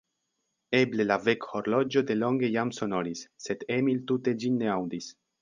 Eble la vekhorloĝo delonge jam sonoris, sed Emil tute ĝin ne aŭdis.